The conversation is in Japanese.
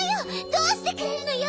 どうしてくれるのよ！